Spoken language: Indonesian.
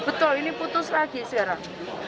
betul ini putus lagi sekarang